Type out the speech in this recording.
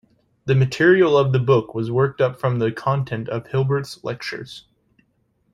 The material of the book was worked up from the content of Hilbert's lectures.